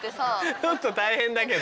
ちょっと大変だけど。